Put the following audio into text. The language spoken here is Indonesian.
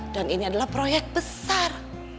dan ini adalah proyek besar